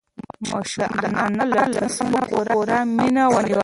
ماشوم د انا لاسونه په پوره مینه ونیول.